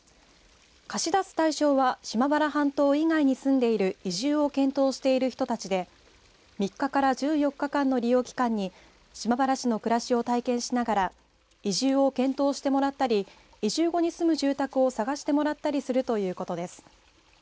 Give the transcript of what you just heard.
貸し出す対象は島原半島以外に住んでいる移住を検討している人たちで３日から１４日間の利用期間に島原市の暮らしを体験しながら移住を検討してもらったり移住後に住む住宅を探してもらったりするということです。